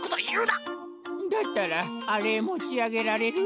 だったらあれもちあげられる？